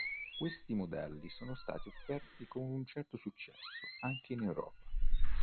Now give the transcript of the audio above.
Questi modelli sono stati offerti con un certo successo anche in Europa.